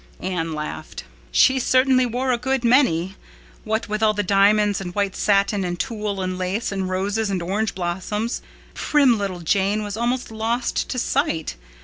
Anne laughed. "She certainly wore a good many. What with all the diamonds and white satin and tulle and lace and roses and orange blossoms, prim little Jane was almost lost to sight.